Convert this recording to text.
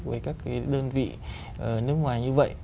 với các cái đơn vị nước ngoài như vậy